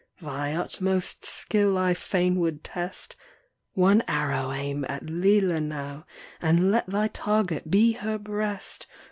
Thy utmost skill I fain would test ; One arrow aim at Lelia now, And let thy target be her breast